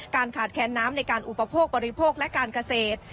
ขาดแคนน้ำในการอุปโภคบริโภคและการเกษตร